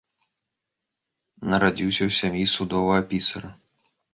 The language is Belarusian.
Нарадзіўся ў сям'і судовага пісара.